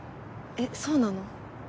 えっそうなの？